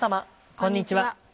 こんにちは。